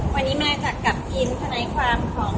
วันนี้มาจากกับอินภาคความของ๒๒๒๒